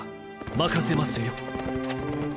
任せますよ。